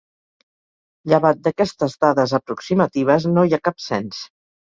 Llevat d'aquestes dades aproximatives no hi ha cap cens.